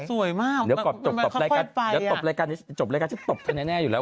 สวยมากเดี๋ยวก่อนจบรายการจะตบแน่อยู่แล้ว